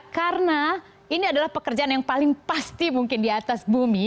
karena ini adalah pekerjaan yang paling pasti mungkin di atas bumi